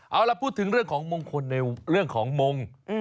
เอาล่ะพูดถึงเรื่องของมงคลในเรื่องของมง